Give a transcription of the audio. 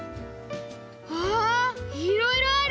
わあいろいろある！